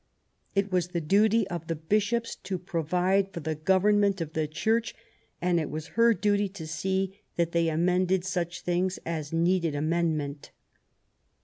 It was the duty of the Bishops to provide for the governance of the Church ; and it was her duty to see that they amended such things as needed amendment.